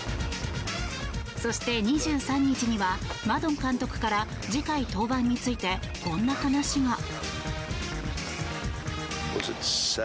そして、２３日にはマドン監督から次回登板についてこんな話が。